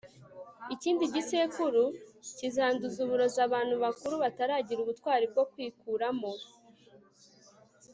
ikindi gisekuru kizanduza uburozi abantu bakuru bataragira ubutwari bwo kwikuramo